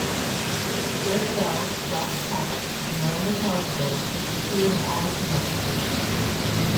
Drake Bell, Josh Peck, and Miranda Cosgrove appeared in all of the episodes.